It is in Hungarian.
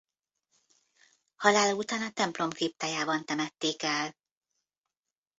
Halála után a templom kriptájában temették el.